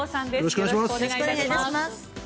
よろしくお願いします。